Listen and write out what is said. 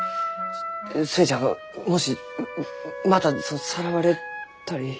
す寿恵ちゃんがもしまたさらわれたり。